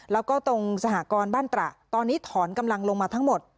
แล้วก็ตรงสหกรณ์บ้านตระตอนนี้ถอนกำลังลงมาทั้งหมด